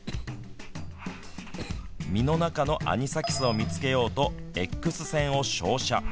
身の中のアニサキスを見つけようとＸ線を照射。